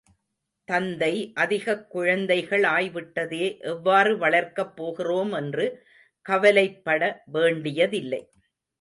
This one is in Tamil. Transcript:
தந்தை அதிகக் குழந்தைகள் ஆய்விட்டதே, எவ்வாறு வளர்க்கப் போகிறோம் என்று கவலைப்பட வேண்டியதில்லை.